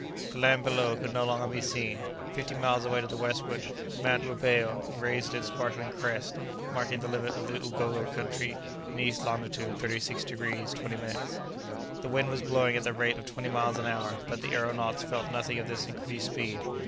The land below could no longer be seen. Fifty miles away to the westward, Mount Rubeho raised its sparkling crest, marking the limit of the Ugogo country in east longitude thirty six degrees twenty minutes. The wind was blowing at the rate of twenty miles an hour, but the aëronauts felt nothing of this increased speed.